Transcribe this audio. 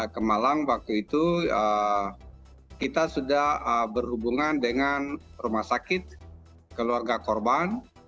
ke malang waktu itu kita sudah berhubungan dengan rumah sakit keluarga korban